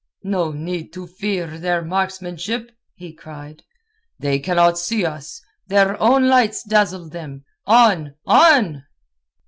"No need to fear their marksmanship," he cried. "They cannot see us. Their own lights dazzle them. On! On!"